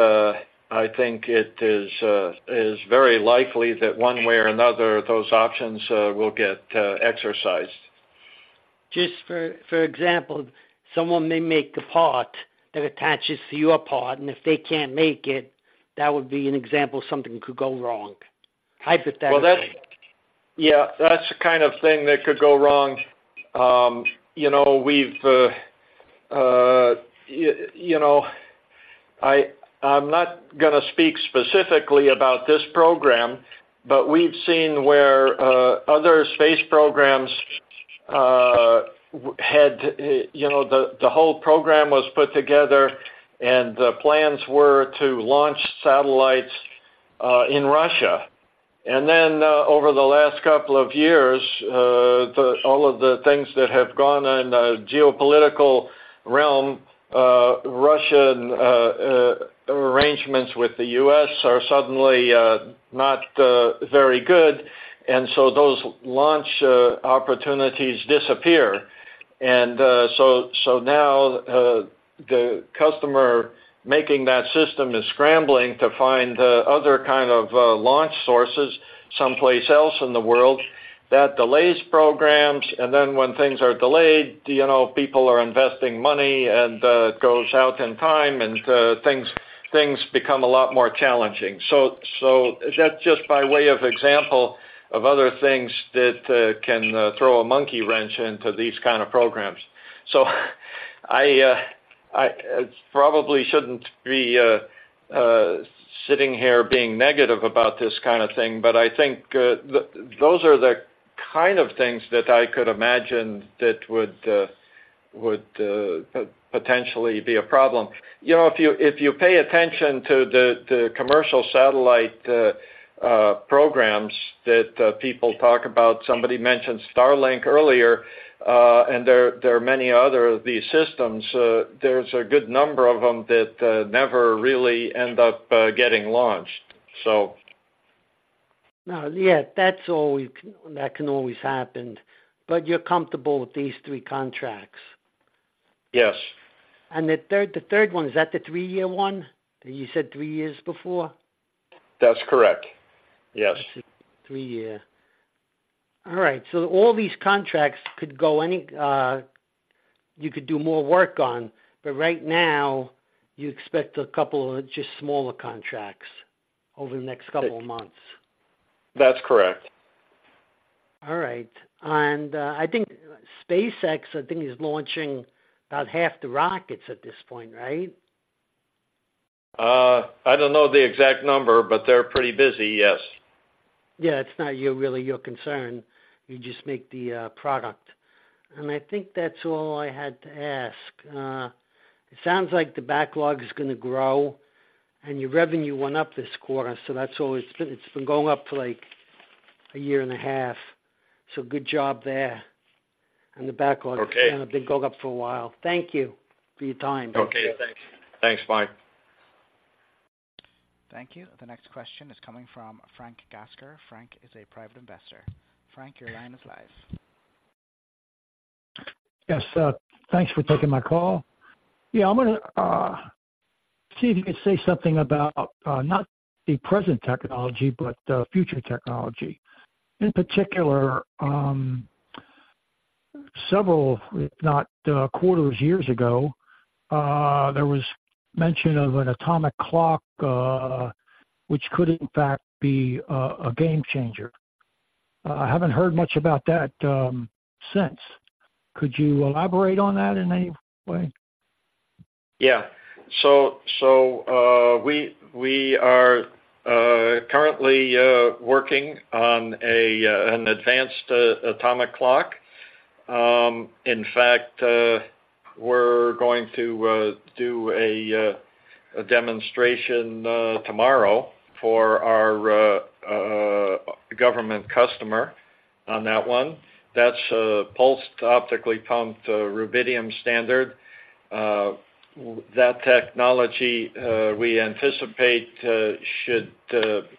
I think it is very likely that one way or another, those options will get exercised. Just for example, someone may make the part that attaches to your part, and if they can't make it, that would be an example of something could go wrong, hypothetically. Well, that's. Yeah, that's the kind of thing that could go wrong. You know, we've you know, I, I'm not going to speak specifically about this program, but we've seen where other space programs had you know, the whole program was put together, and the plans were to launch satellites in Russia. And then over the last couple of years, all of the things that have gone on in the geopolitical realm, Russian arrangements with the U.S. are suddenly not very good, and so those launch opportunities disappear. And so now the customer making that system is scrambling to find other kind of launch sources someplace else in the world. That delays programs, and then when things are delayed, you know, people are investing money, and it goes out in time, and things, things become a lot more challenging. So that's just by way of example of other things that can throw a monkey wrench into these kind of programs. So I probably shouldn't be sitting here being negative about this kind of thing, but I think those are the kind of things that I could imagine that would potentially be a problem. You know, if you pay attention to the commercial satellite programs that people talk about, somebody mentioned Starlink earlier, and there are many other of these systems, there's a good number of them that never really end up getting launched. No, yeah, that's always, that can always happen. But you're comfortable with these three contracts? Yes. The third, the third one, is that the three year one? That you said three years before. That's correct. Yes. Three year. All right, so all these contracts could go any, you could do more work on, but right now, you expect a couple of just smaller contracts over the next couple of months? That's correct. All right. And, I think SpaceX, I think, is launching about half the rockets at this point, right? I don't know the exact number, but they're pretty busy, yes. Yeah, it's not really your concern. You just make the product. And I think that's all I had to ask. It sounds like the backlog is going to grow, and your revenue went up this quarter, so that's always been it's been going up for, like, a year and a half. So good job there. And the backlog has been going up for a while. Thank you for your time. Okay, thanks. Thanks, bye. Thank you. The next question is coming from [Frank Gasker]. Frank is a private investor. Frank, your line is live. Yes, thanks for taking my call. Yeah, I'm going to see if you could say something about not the present technology, but future technology. In particular, several, if not quarters, years ago, there was mention of an atomic clock which could in fact be a game changer. I haven't heard much about that since. Could you elaborate on that in any way? Yeah. So, we are currently working on an advanced atomic clock. In fact, we're going to do a demonstration tomorrow for our government customer on that one. That's a Pulsed Optically Pumped Rubidium Standard. That technology, we anticipate, should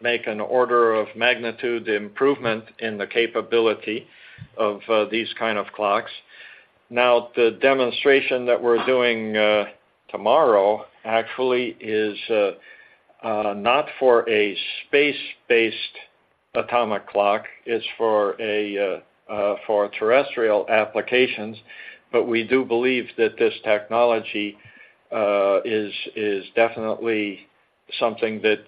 make an order of magnitude improvement in the capability of these kind of clocks. Now, the demonstration that we're doing tomorrow actually is not for a space-based atomic clock; it's for terrestrial applications. But we do believe that this technology is definitely something that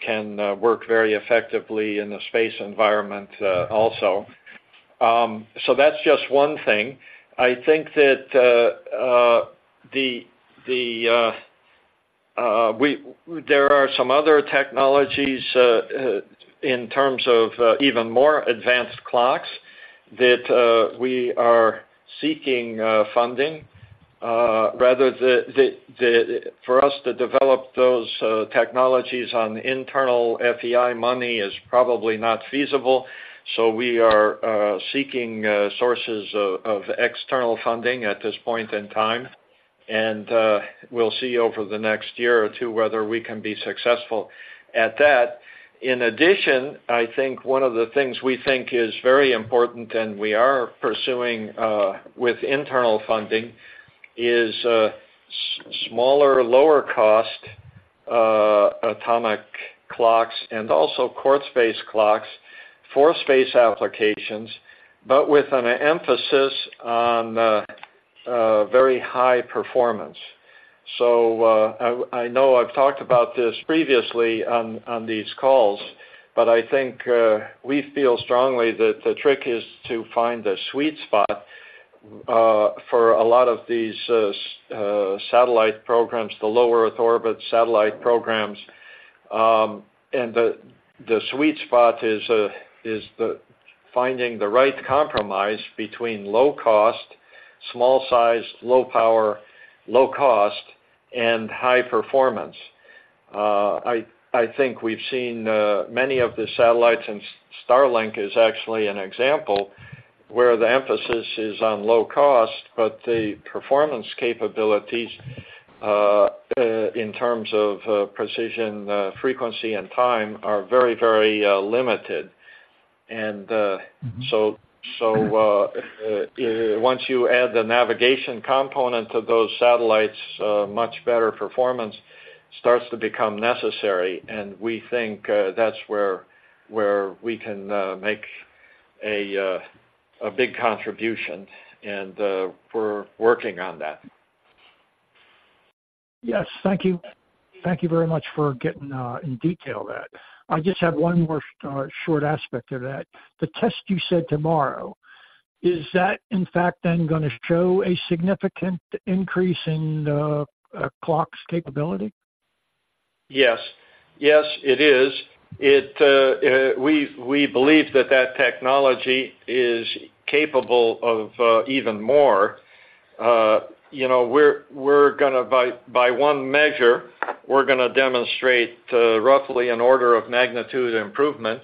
can work very effectively in a space environment also. So that's just one thing. I think that there are some other technologies in terms of even more advanced clocks that we are seeking funding rather than for us to develop those technologies on internal FEI money is probably not feasible, so we are seeking sources of external funding at this point in time. We'll see over the next year or two whether we can be successful at that. In addition, I think one of the things we think is very important, and we are pursuing with internal funding, is smaller, lower cost atomic clocks and also quartz-based clocks for space applications, but with an emphasis on very high performance. So, I know I've talked about this previously on these calls, but I think we feel strongly that the trick is to find the sweet spot for a lot of these satellite programs, the low Earth orbit satellite programs. And the sweet spot is finding the right compromise between low cost, small size, low power, low cost, and high performance. I think we've seen many of the satellites, and Starlink is actually an example, where the emphasis is on low cost, but the performance capabilities in terms of precision frequency, and time are very, very limited. Once you add the navigation component to those satellites, much better performance starts to become necessary, and we think that's where we can make a big contribution, and we're working on that. Yes. Thank you. Thank you very much for getting, in detail that. I just have one more, short aspect of that. The test you said tomorrow, is that, in fact, then going to show a significant increase in the, clocks capability? Yes. Yes, it is. We believe that that technology is capable of even more. You know, we're going to, by one measure, demonstrate roughly an order of magnitude improvement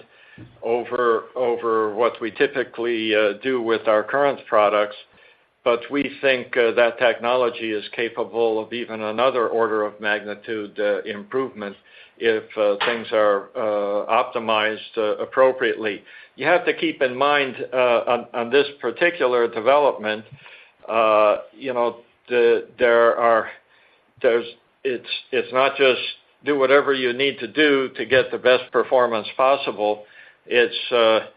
over what we typically do with our current products, but we think that technology is capable of even another order of magnitude improvement if things are optimized appropriately. You have to keep in mind, on this particular development, you know, there's. It's not just do whatever you need to do to get the best performance possible. It's,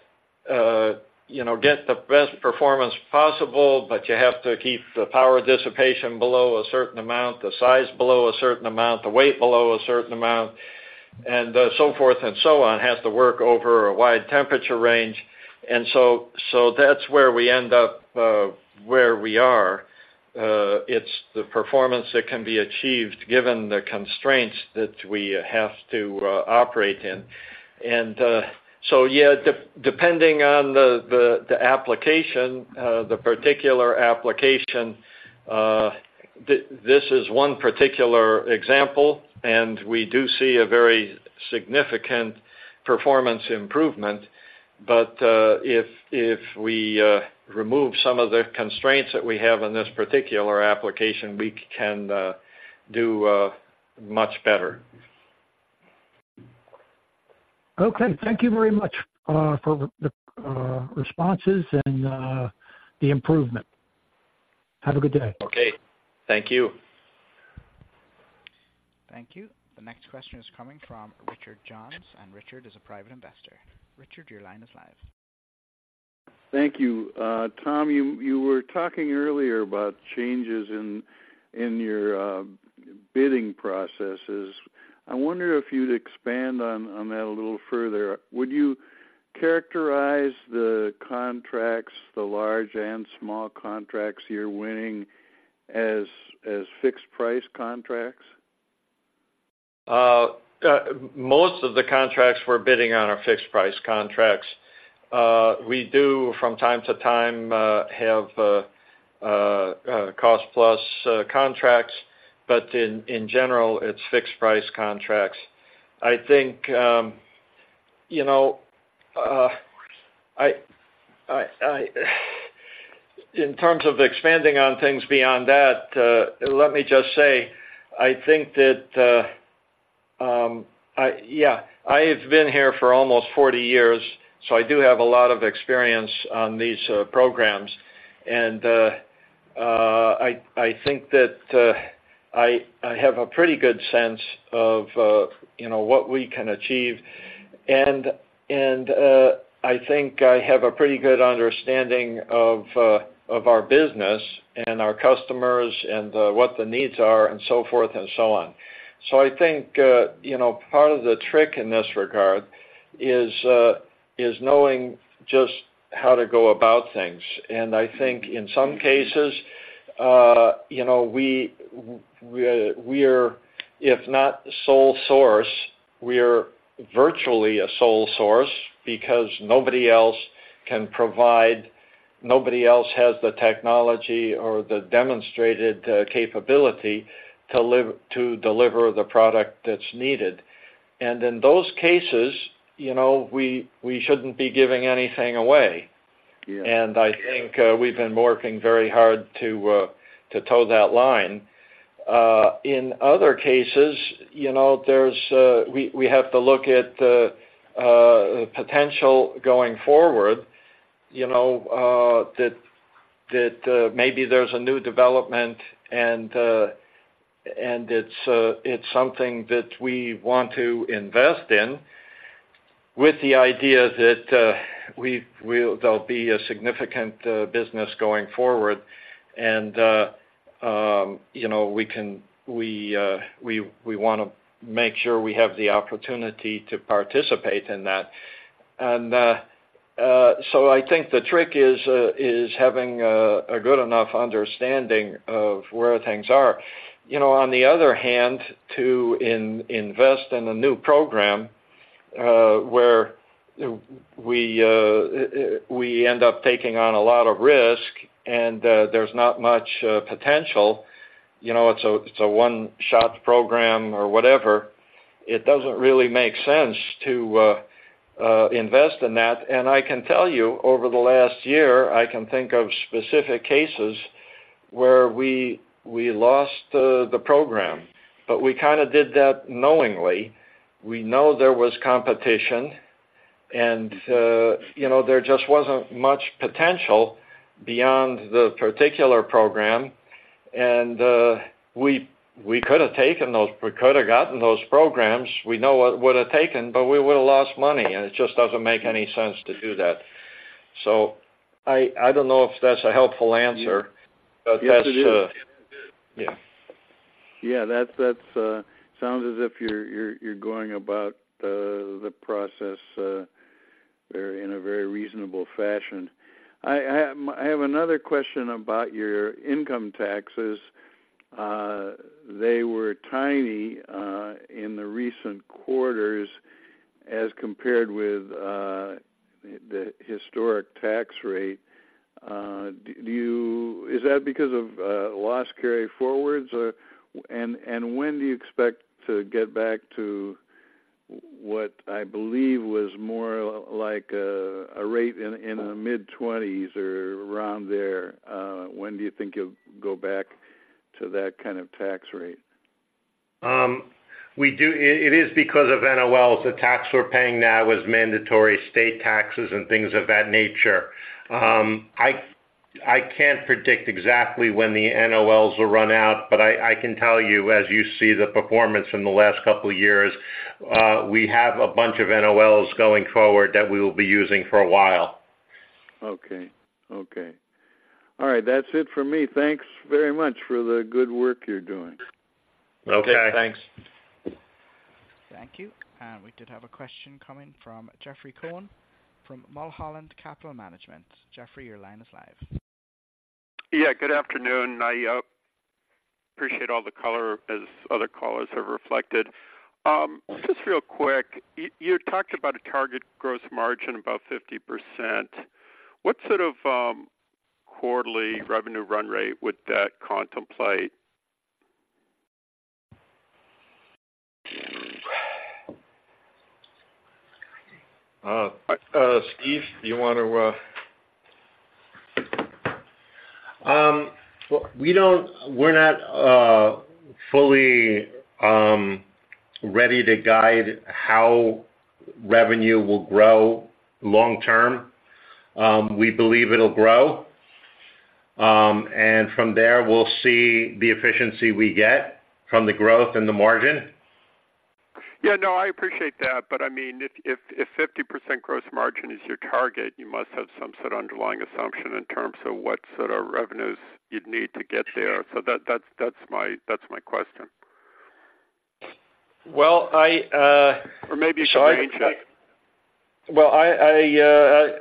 you know, get the best performance possible, but you have to keep the power dissipation below a certain amount, the size below a certain amount, the weight below a certain amount, and, so forth and so on, has to work over a wide temperature range. And so, so that's where we end up, where we are. It's the performance that can be achieved given the constraints that we have to operate in. And, so, yeah, depending on the application, the particular application, this is one particular example, and we do see a very significant performance improvement, but, if we remove some of the constraints that we have on this particular application, we can do much better. Okay. Thank you very much for the responses and the improvement. Have a good day. Okay. Thank you. Thank you. The next question is coming from [Richard Johns], and Richard is a private investor. Richard, your line is live. Thank you. Tom, you were talking earlier about changes in your bidding processes. I wonder if you'd expand on that a little further. Would you characterize the contracts, the large and small contracts you're winning, as fixed price contracts? Most of the contracts we're bidding on are fixed price contracts. We do, from time to time, have cost plus contracts, but in general, it's fixed price contracts. I think, you know, in terms of expanding on things beyond that, let me just say, I think that. Yeah, I've been here for almost 40 years, so I do have a lot of experience on these programs, and I think that I have a pretty good sense of, you know, what we can achieve. And I think I have a pretty good understanding of our business and our customers and what the needs are, and so forth and so on. So I think, you know, part of the trick in this regard is, is knowing just how to go about things. And I think in some cases, you know, we're, if not sole source, we're virtually a sole source because nobody else can provide, nobody else has the technology or the demonstrated capability to deliver the product that's needed. And in those cases, you know, we shouldn't be giving anything away. And I think, we've been working very hard to toe that line. In other cases, you know, there's, we have to look at potential going forward, you know, that maybe there's a new development, and and it's something that we want to invest in, with the idea that we will there'll be a significant business going forward. And, you know, we can we wanna make sure we have the opportunity to participate in that. And, so I think the trick is having a good enough understanding of where things are. You know, on the other hand, to invest in a new program, where we end up taking on a lot of risk and there's not much potential, you know, it's a one-shot program or whatever, it doesn't really make sense to invest in that. And I can tell you, over the last year, I can think of specific cases where we lost the program, but we kind of did that knowingly. We know there was competition, and you know, there just wasn't much potential beyond the particular program, and we could have taken those we could have gotten those programs. We know what it would have taken, but we would've lost money, and it just doesn't make any sense to do that. So I don't know if that's a helpful answer. Yes, it is. Yeah. Yeah, that sounds as if you're going about the process in a very reasonable fashion. I have another question about your income taxes. They were tiny in the recent quarters as compared with the historic tax rate. Is that because of loss carryforwards, or? And when do you expect to get back to what I believe was more like a rate in the mid-twenties or around there? When do you think you'll go back to that kind of tax rate? It is because of NOLs. The tax we're paying now is mandatory state taxes and things of that nature. I can't predict exactly when the NOLs will run out, but I can tell you, as you see the performance in the last couple of years, we have a bunch of NOLs going forward that we will be using for a while. Okay. Okay. All right, that's it for me. Thanks very much for the good work you're doing. Okay, thanks. Thank you. We did have a question coming from Jeffrey Cohen from Mulholland Capital Management. Jeffrey, your line is live. Yeah, good afternoon. I appreciate all the color, as other callers have reflected. Just real quick, you talked about a target gross margin, about 50%. What sort of quarterly revenue run rate would that contemplate? Steve, do you want to? Well, we're not fully ready to guide how revenue will grow long term. We believe it'll grow. And from there, we'll see the efficiency we get from the growth and the margin. Yeah, no, I appreciate that, but I mean, if 50% gross margin is your target, you must have some sort of underlying assumption in terms of what sort of revenues you'd need to get there. So that's my question. Maybe you can range that. Well,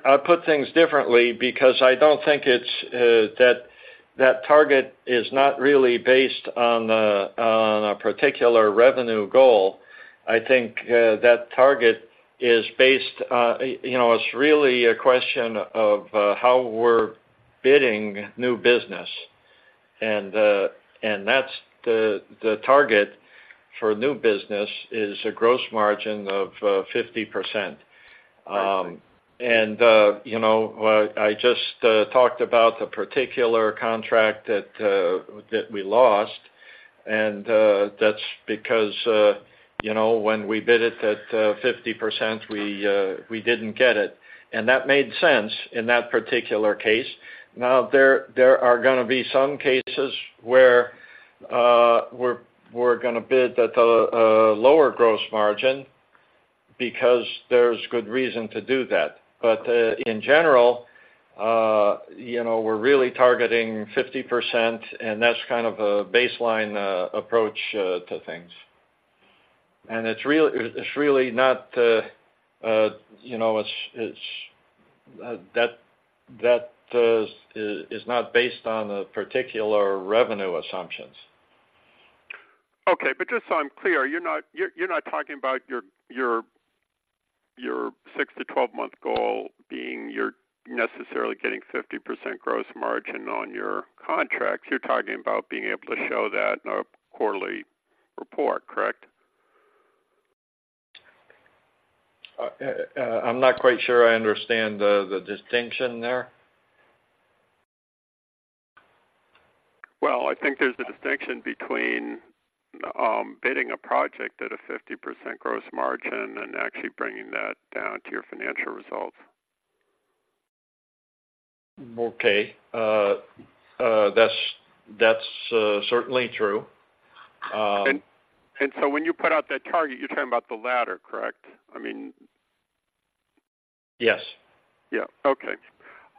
I'll put things differently because I don't think it's that target is not really based on a particular revenue goal. I think that target is based, you know, it's really a question of how we're bidding new business. And that's the target for new business is a gross margin of 50%. I see. And, you know, I just talked about the particular contract that we lost, and that's because, you know, when we bid it at 50%, we didn't get it, and that made sense in that particular case. Now, there are going to be some cases where we're going to bid at a lower gross margin because there's good reason to do that. But in general, you know, we're really targeting 50%, and that's kind of a baseline approach to things. And it's really not, you know, it's. That is not based on the particular revenue assumptions. Okay, but just so I'm clear, you're not talking about your six-12 month goal being you're necessarily getting 50% gross margin on your contracts. You're talking about being able to show that in a quarterly report, correct? I'm not quite sure I understand the distinction there. Well, I think there's a distinction between bidding a project at a 50% gross margin and actually bringing that down to your financial results. Okay. That's certainly true. So when you put out that target, you're talking about the latter, correct? Yes. Yeah. Okay.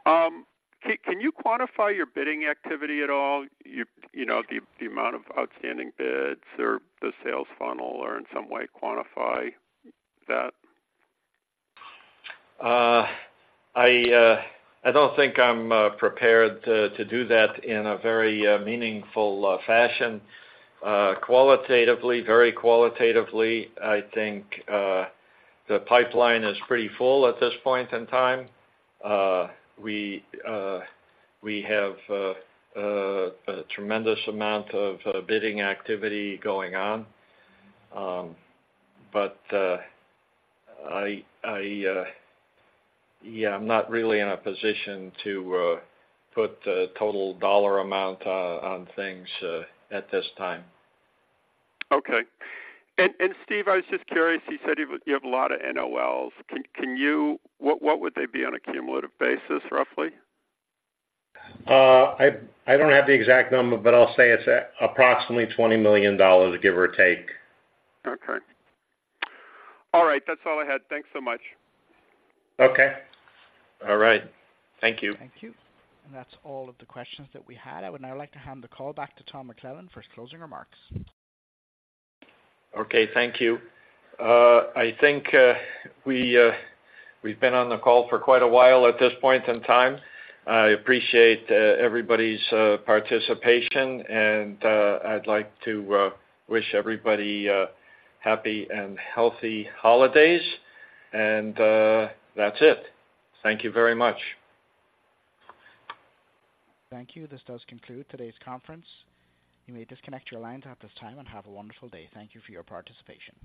Can you quantify your bidding activity at all? You know, the amount of outstanding bids or the sales funnel, or in some way quantify that? I don't think I'm prepared to do that in a very meaningful fashion. Qualitatively, very qualitatively, I think the pipeline is pretty full at this point in time. We have a tremendous amount of bidding activity going on. But yeah, I'm not really in a position to put a total dollar amount on things at this time. Okay. And Steve, I was just curious, you said you have a lot of NOLs. Can you? What would they be on a cumulative basis, roughly? I don't have the exact number, but I'll say it's approximately $20 million, give or take. Okay. All right. That's all I had. Thanks so much. Okay. All right. Thank you. Thank you. That's all of the questions that we had. I would now like to hand the call back to Tom McClelland for his closing remarks. Okay, thank you. I think we've been on the call for quite a while at this point in time. I appreciate everybody's participation, and I'd like to wish everybody happy and healthy holidays, and that's it. Thank you very much. Thank you. This does conclude today's conference. You may disconnect your lines at this time, and have a wonderful day. Thank you for your participation.